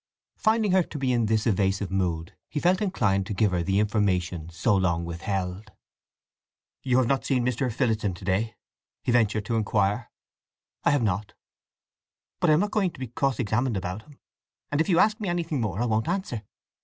Finding her to be in this evasive mood he felt inclined to give her the information so long withheld. "You have not seen Mr. Phillotson to day?" he ventured to inquire. "I have not. But I am not going to be cross examined about him; and if you ask anything more I won't answer!"